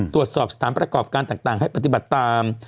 ตรวจสอบสถานประกอบการต่างให้ปฏิบัติตาม